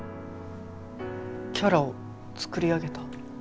キャラを作り上げた？